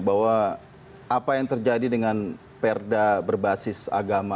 bahwa apa yang terjadi dengan perda berbasis agama